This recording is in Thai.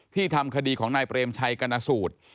ทำคดีของนายเปรมชัยกรณสูตร